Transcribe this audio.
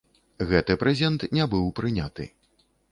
Гэты прэзент не быў прыняты.